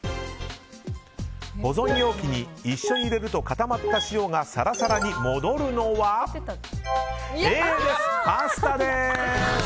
保存容器に一緒に入れると固まった塩がサラサラに戻るのはＡのパスタです。